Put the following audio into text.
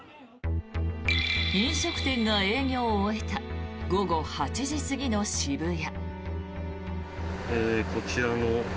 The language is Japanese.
飲食店が営業を終えた午後８時過ぎの渋谷。